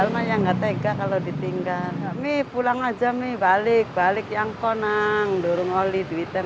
itu memang yang nggak tega kalau ditinggal pulang aja ini balik balik yang konang durung oli duitnya